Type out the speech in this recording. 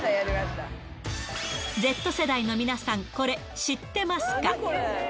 Ｚ世代の皆さん、これ、知ってますか？